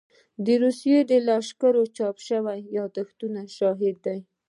د روسي لښکرو چاپ شوي يادښتونه شاهد دي.